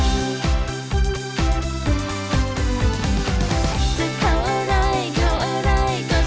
สามารถรับชมได้ทุกวัย